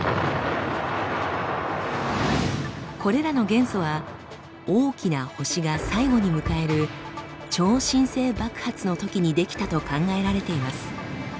これらの元素は大きな星が最後に迎える超新星爆発のときに出来たと考えられています。